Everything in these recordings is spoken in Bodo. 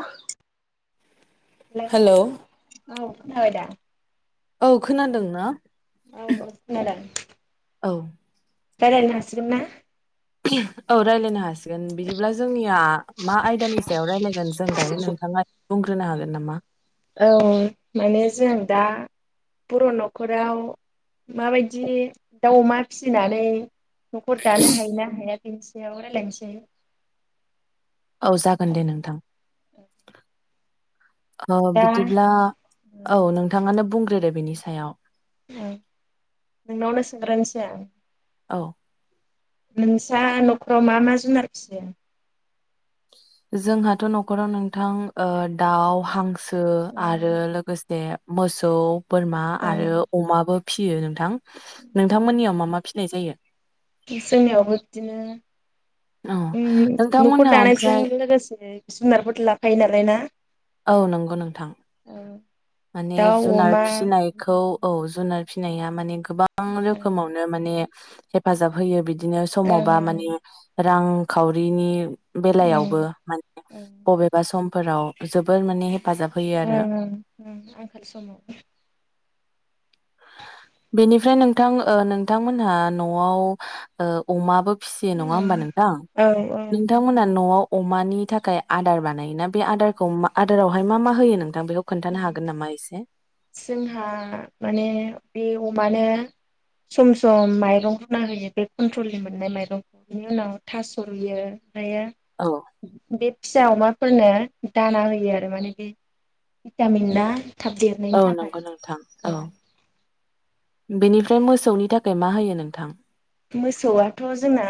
अह हेल हेलौ औ खाबायदा? औ खोनादों ना? औ खोनादों औ रायलायनो हासिगोन ना? औ रायज्लायनो हासि गोन बिदिब्ला जोंनिया मा आयदानि सायाव रायलायगोन जों दायो नोंथाङा बुं ग्रोनो हागोन नामा! औ माने जों दा बर' न'खराव माबायदि दाउ-अमा फिसिनानै न'खर दानो हायोना हाया बेनि सायाव रायलायनोसै। औ जागोन दे नोंथां। औ बिदिब्ला औ नोंथाङानो बुंग्रोदो बेनि सायाव। नों नावनो सोंगारनोसै आं। औ नोंस्रा न'खराव मा-मा जुनार फियो? जोंहाथ' न'खराव नोंथां ओ दाउ, हांसो ओ आरो लोगोसे मोसौ, बोरमा औ आरो अमाबो फिसियो नोंथां। नोंथांमोननियाव मा-मा फिनाय जायो? जोंनियावबो बिदिनो औ ओम न'खर नोंथांमोनहा दानायजों ओमफ्राय लोगोसे जुनारफोर लाफायो नालाय ना? औ नंगौ नोंथां। ओम माने जुनार फिसिनाय, खौ औ जुनार फिसिनाया माने गोबां ओं रोखोमावनो माने हेफाजाब होयो। बि बिदिनो समावबा ओं माने रांखावरिनि बेलायावबो ओं माने ओं बबेबा समफोराव जोबोर माने, हेफाजाब होयो आरो उम उम ओम आंखाल समाव, बेनिफ्राय नोंथां ओ नोंथांमोनहा न'आव ओ अमाबो फिसियो नङा होमबा ओं नोंथां। औ औ नोंथांमोना न'आव अमानि थाखाय आदार बानायोना बे आदारखौ आदारावहाय मा मा होयो नों थां बेखौ खोन्थानो हागोन नामा? एसे जोंहा माने बे अमानो, सम-सम माइरं रुना होयो, बे कन्ट्रलनि मोननाय माइरंखौ बिनि उनाव थास'यो रूयो आमफ्रायो। औ बे फिसा अमाफोरनो दाना होयो आरो माने बे भिटामिन दा थाब देर औ नंगौ नोंथां औ। बेनिफ्राय मोसौनि थाखाय मा होयो नोंथां? मोसौआथ' जोंना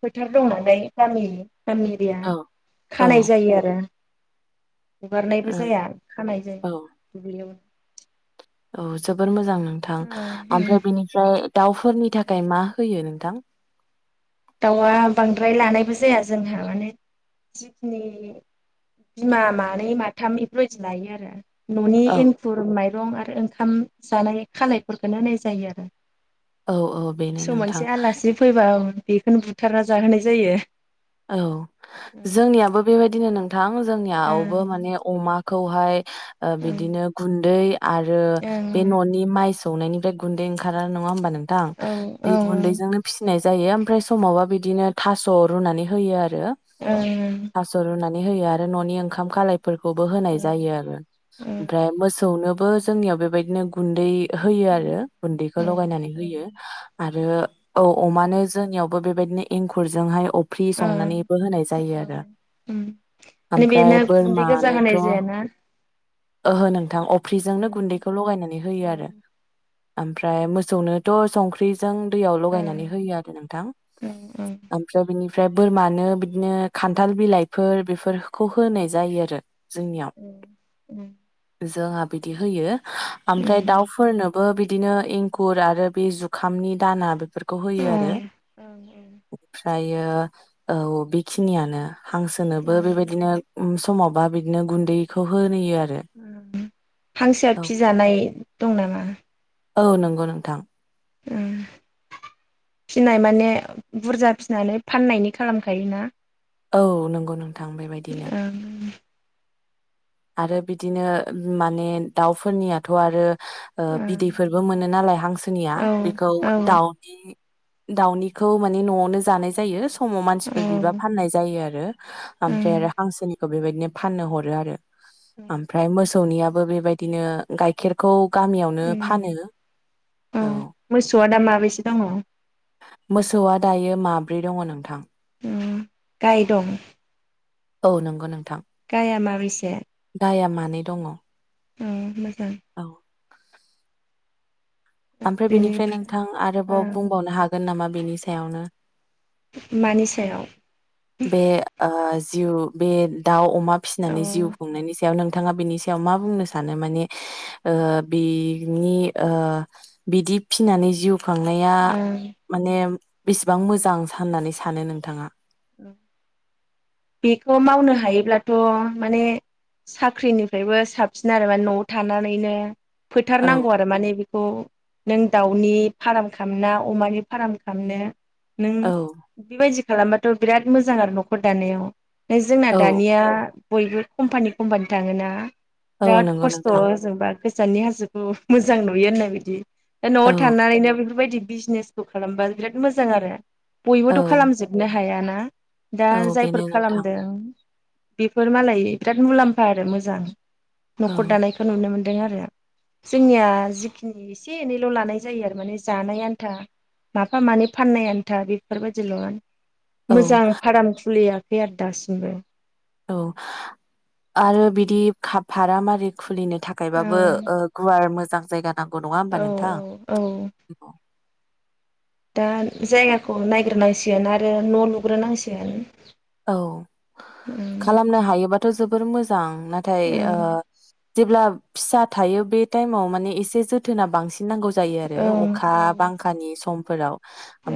फोथार दं नालाय गामिनि गामि औ [unintelligible] औ खानाय ओ जायो आरो हगारनायबो जाया, खानाय जायो। औ दुब्लियावनो औ जोबोर मोजां नोंथां। आमफ्राय बेनि आमफ्राय दाउफोरनि थाखाय मा होयो नोंथां? दाउआ बांद्राय लानायबो जाया जोंहा माने, जिखिनि बिमा मानै, माथाम बेफोरबायदि लायो आरो न'नि औ एंखुर, माइरं आरो ओंखाम जानाय खालायफोरखौनो होनाय जायो आरो औ औ बेनो सम नोंथां मोनसे आलासि फैबा, बेखौनो बुथारना जाहोनाय जायो। औ, ओं जोंनियाबो बेबायदिनो नोंथां जोंनियावबो माने, ओं अमाखौहाय, ओ बिदिनो गुन्दै आरो बे ओं न'नि माइ सौनायनिफ्राय गुन्दैओंखारा नङा होमबा नोंथां! औ बे ओं गन्दैजोंनो फिसिनाय जायो। आमफ्राय समावबा बिदिनो थास' रुनानै होयो आरो ओं स' रुनानै होयो आरो न'नि ओंखाम खालायफोरखौबो होनाय जायो आरो। आमफ्राय मोसौनोबो जोंनियाव बेबायदिनो गुन्दै होयो आरो। गुन्दैखौ औ लगायनानै होयो। आरो औ अमानो जोंनियावबो बेबायदिनो एंखुरजोंहाय ख्रि औ संनानैबो होनाय जायो आरो। औ औ माने बेनो आमफ्राय गुन्दै गोजा होनाय बोरमानोथ' जायाना ओहो नोंथां अफ्रिजोंनो गुन्दैखौ लगायनानै होयो आरो आमफ्राय मोसौनो थ' संख्रिजों दैयाव लगायनानै होयो आरो नोंथां। उम ओं। आमफ्राय बिनिफ्राय बोरमानो बिदिनो खान्थाल बिलाइफोर बेफोरखौ होनाय जायो आरो। जोंनियाव उम उम जोंहा बिदि होयो आमफ्राय दाउफोरनोबो बि दिनो एंखुर आरो बि जुखामनि दाना बेफोरखौ होयो आरो। ओं ओं। ओमफ्रायो औ बेखिनियानो। हांसोनोबो बेबायदिनो उम समावबा बिदिनो गुन्दैखौ होनोयो आ उम हांसोआ फिजानाय दं नामा? औ नोंगौ नोंथां। उम। फिनाय माने बुरजा फिसिनानै फाननायनि खालामखायोना? औ नोंगौ नोंथां बेबायदिनो। आरो बिदिनो माने दाउफोरनियाथ' आरो ओ बिदैफोरबो मोनो नालाय हांसोनिया औ बिखौ औ दाउ दाउनिखौ माने न'आवनो जानाय जायो। समाव औ मानसिफोर बिबा फाननाय जायो आरो आमफ्राय आरो हांसोनिखौ बेबायदिनो फाननो हरो आरो। ओमफ्राय मोसौनियाबो बेबायदिनो गाइखेरखौ गामियावनो फानो औ मोसौआ दा माबेसे दङ? मोसौआ दायो माब्रै दङ नोंथां। उम गाय दं? औ नोंगौ नोंथां। गाया माबैसे? गाया मानै दङ। उम मोजां। औ। आमफ्राय बिनिफ्राय बेनिफ्राय नोंथां आरोबाव ओं बुंबावनो हागोन नामा बिनि सायावनो? मानि सायाव? बे ओ जिउ बे दाउ अमा औ फिसनानै जिउ ओं खुंनायनि सायाव नोंथाङा बेनि याव मा बुंनो सानो माने ओ बिनि ओ बिदि फिनानै जिउ खांनाया ओं माने बिसिबां मोजां होननानै सानो नोंथाङा? बिखौ मावनो हायोब्लाथ' माने साख्रिनिफ्रायबो साबसिन आरो माने न'आव थानानैनो औ फोथारनांगौ आरो माने बे खौ नों दाउनि फाराम खालामना अमानि फाराम खामनो नों औ बेबायदि खालामबाथ' बिराद मोजां आरो न'खर दानायाव। ने जोंना औ दानिया बयबो कम्पानि कम्पानि थाङो ना। औ बिराद नंगौ खस्थ' नोंथां ओजोंबा गोजाननि हाजोखौ मोजां नुयो होननाय बायदि। ओ न'आव औ थानानैनो बैफोरबायदि बिजनेसखौ खालामबा बिराद मोजां आरो। औ बयबोथ' खालामजोब बुनो हायाना दा औ जाय बेनो नोंथां ओं बिफोर मालाय बिराद मुलामा आरो मोजां। औ न'खर दानाय खौ नुनो मोन्दों आरो‌। जोंनिया जिखिनि एसे एनैल' लानाय जायो आरो माने जानाय आन्था माफा मानै फाननाय आन्था बेफोर बायदिल' आनो औ मोजां फाराम खुलियाखै आरो दासिमबो। औ आरो बिदि खा फारामारि खुलिनो औ थाखायबाबो ओ गुवार मोजां जायगा नांगौ नङा होमबा औ नोंथां? औ दा जायगाखौ नायग्रोनांसिगोन आरो न' लुग्रोनांसिगोन। औ खालामनो हायोबाथ' जोबोर मोजां नाथाय ओं ओ ओं जेब्ला फिसा थायो बे टाइमाव माने एसे जोथोना बांसिन नांगौ जायो आरो औ अखा बांखानि समफोराव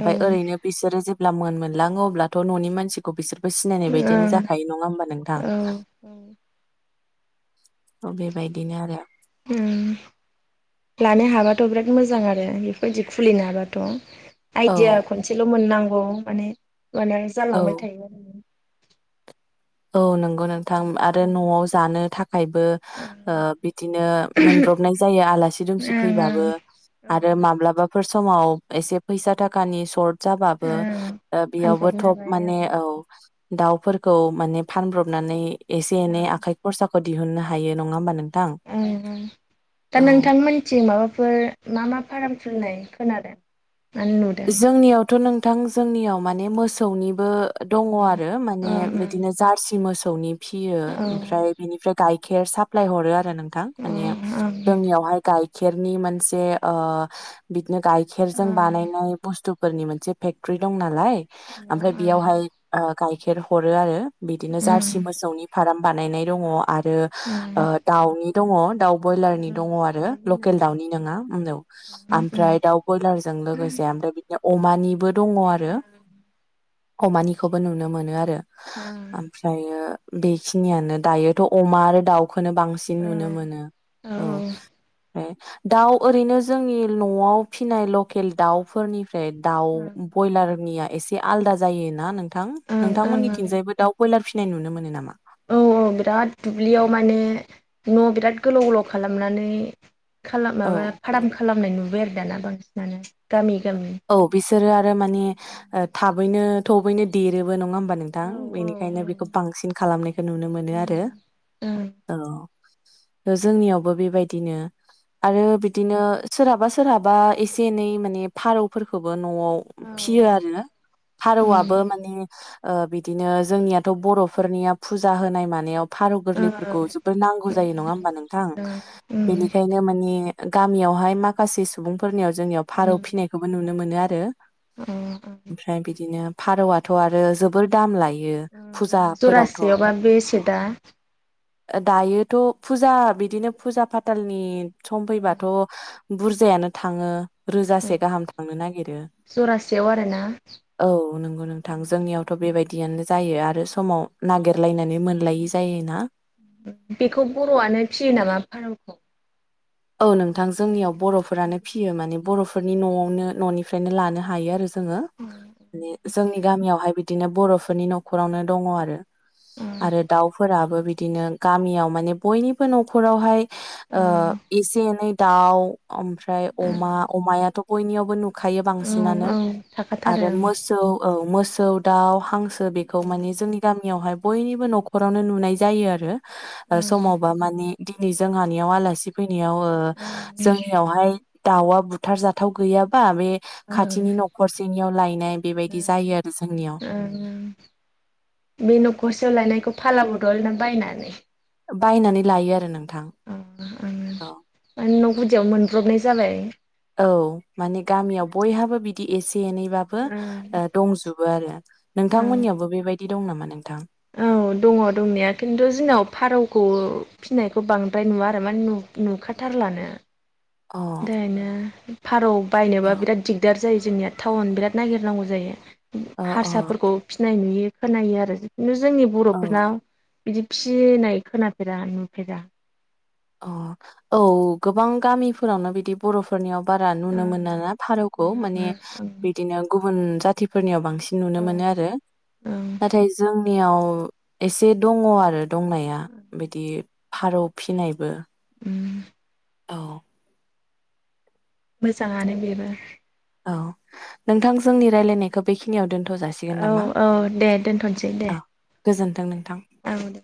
औ ओरैनो बिसोरो जेब्ला मोनलाङो अब्लाथ' न'नि मानसिखौ बिसोर सिनाय बायदियानो ओं जाखायो नङा होमबा नोंथां? औ [inaudible] थ बेबायदिनो आरो उम लानो हाबाथ' बिराद मोजां आरो बेफोरबायदि खुलिनो हाबाथ'। आइडिया औ खनसेल' मोननांगौ माने होनबानो औ जालांबाय थायो आरो माने। औ नंगौ नोंथां आरो ओं न'आव जानो था थाखायबो ओ बिदिनो मोनब्रबनाय जाया आलासि दुमसि फैबाबो। आरो ओं माब्लाबाफोर समाव एसे फैसा थाखानि सर्ट जाबाबो ओं ओ फानब्रबनो बेयावबोथ' हाबाय माने औ दाउफोरखौ माने फानब्रबनानै एसे एनै ओं आखाइ खरसाखौ दिहुननो हायो नङा होमबा नों उम उम दा नोंथांमोनथिं माबाफोर मा मा फार्म खुुलिनाय खोनादों? माने नुदों जोंनियावथ' नोंथां जोंनियाव माने मोसौनिबो दङ ओं आरो माने ओं बिदिनो जार्सि मोसौनि फियो औ ओमफ्राय बेनिफ्राय गाइखेर साप्लाय हरो आरो नोंथां माने ओं ओं जोंनियावहाय गाइखेरनि मोनसे ओ बिदिनो गायखेरजों ओं बानायनाय बुस्थुफोरनि मोनसे फेक्टरि दं नालाय ओमफ्राय ओं बेयावहाय ओ गाइखेर हरो आरो। बिदिनो जारसि मोसौनि फार्म बानायनाय दङ आरो ओ ओं दाउनि दङ दाउ बयलारनि दङ आरो लकेल दाउनि नोङा ओं आमफ्राय दाउ बयलारजों लोगोसे ओमफ्राय बिदिनो अमानिबो दङ आरो। अमानिखौबो नुनो मोनो आरो। उम ओमफ्रायो बेखिनियानो दायोथ' अमा आरो दाउ खौनो बांसिन औ नुनो मोनो औ ओं दाउ ओरैनो जोंनि न'आव फिनाय लकेल दाउफोरनि फ्राय दाउ ओं ब्रयलारनिया एसे आलदा जायोना नों थां ओं नोंथांमोननिथिंजायबो दाउ ब्रयलार फिनाय नुनो मोनो नामा? औ बिराद दुब्लियाव माने न' बिराद गोलाव गोलाव खालामनानै खालाम औ माबा फार्म खालामनाय नुबाय आरो दाना बांसिनानो गामि गामि। औ बिसोरो आरो माने ओ थाबैनो थबनो देरोबो नङा होम बा नोंथां ओं बेनिखायनो उम बेखौ बांसिन खालामनायखौ नुनो मोनो आरो ओं उम औ जोंनियावबो बेबायदिनो आरो बिदिनो सोरहाबा सोरहाबा एसे एनै माने फारौ फोरखौबो न'आव ओं फियो आरो फारौआबो माने ओ बिदिनो जोंनियाथ' बर'फोरनिया फुजा होनाय मानायाव फारौ गोरलैफोरखौ जोबोर नांगौ जायो नङा होमबा नोंथां उम बेनिखायनो माने गामियावहाय माखासे सुबुंफोरनियाव जोंनियाव फारौ फिनायखौबो नुनो मोनो आरो। उम उम ओमफ्राय बिदिनो फारौआथ' आरो जोबोद दाम लायो।। फुजाफोरावथ' जरासेयावबा बेसे दा? दायोथ' फुजा बिदिनो फुजा फाथालनि सम फैबाथ' बुरजायानो थाङो रोजासे गाहाम थांनो नागिरो। जरासेयाव आरोना औ नोंगौ नोंथां जोंनियावथ' बेबायदियानो जायो आरो समाव नागिरलायनानै मोन लायि जायोना। बेखौ बर'आनो फियो नामा फारौखौ? औ नोंथां जोंनियाव बर'फोरानो फियो माने बर'फोरनि न'आवनो न'निफ्रायनो लानो हायो आरो ज जोङो ने जोंनि गामियावहाय बिदिनो बर'फोरनि न'खरावनो दङ आरो। आरो दाउफोराबो बिद दिनो गामियाव माने बयनिबो न'खरावहाय ओ ओं एसे एनै दाउ ओमफ्राय अमा अमायाथ' बयनियावबो नुनो खायो ओं बांसिनानो ओं थाखाथारो आरो मोसौ औ मोसौ दाउ हांसो ओ बेखौ माने जोंनि गामियावहाय बयनिबो न'खरावनो नुनाय जायो आरो। ओ ओं समावबा माने दिनै जोंहानियाव आलासि फैनायाव ओ ओं जोंनियावहाय दाउआ बुथार जाथाव गैयाबा बे ओं खाथिनि न'खरसेनियाव लायनाय बेबायदि जायो ओं आरो जोंनियाव ओं बे न'खरसे लायनायखौ फाला बदल ना बायनानै? बायनानै लायो आरो नोंथां। उम औ माने न' गुदियाव मोनब्रबनाय जाबाय। औ माने गामियाव बयहाबो बिदि एसे एनैबाब बो ओं ओ दंजोबो आरो नोंथांमोननियावबो बेबायदि दं नामा नोंथां? औ दङ दंनाया खिन्थु जोंनाव फारौखौ फिनायखौ बांद्राय नुवा आरो मान नुब नुखाथारलानो। अ दायनो फारौ बायनोबा बिराद दिगदार जायो जोंनिया टाउन बिराद नागिरनांगौ जायो। अ हारसाफोरखौ फिनाय नुयो खोनायो आरो जिु जोंनि औ बर'फोरना बिदि फिनाय खोनाफेरा नुफेरा। अ औ गोबां गामिफोरावनो बिदिब बर'फोरनियाव बारा नुनो मोना ना फारौखौ माने बिदिनो गुबुन जातिफोरनियाव बांसिन नुनो मोनो ओं आरो। नाथाय जोंनियाव एसे दङ आरो दंनाया बि दि फारौ फिनायबो। उम औ। मोजाङानो बेबो। औ नोंथां जोंनि रायलायनायखौ बेखिनियाव दोनथ' जाासि औ औ दे दोनथ'नोसै दे। गोजोन्थों नोंथां। औ दे।